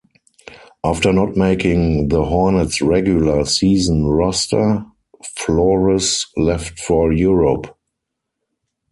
After not making the Hornets regular season roster, Flores left for Europe.